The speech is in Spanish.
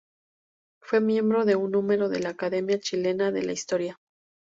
Fue miembro de número de la Academia Chilena de la Historia.